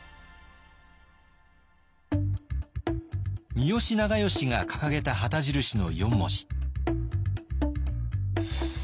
三好長慶が掲げた旗印の４文字。